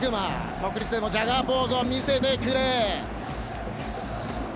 国立でもジャガーポーズを見せてくれ。